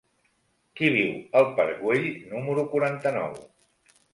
Qui viu al parc Güell número quaranta-nou?